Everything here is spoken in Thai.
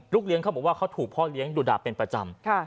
เลี้ยงเขาบอกว่าเขาถูกพ่อเลี้ยงดูด่าเป็นประจำ